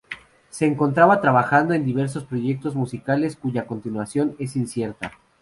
Se encontraba trabajando en diversos proyectos musicales cuya continuación es incierta.